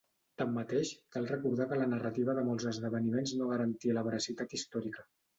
Tanmateix, cal recordar que la narrativa de molts esdeveniments no garantia la veracitat històrica.